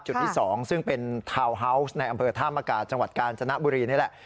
ที่๒ซึ่งเป็นทาวน์ฮาวส์ในอำเภอท่ามกาจังหวัดกาญจนบุรีนี่แหละ